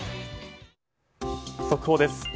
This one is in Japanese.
速報です。